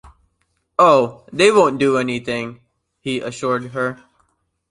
"Oh, they won't do anything," he assured her.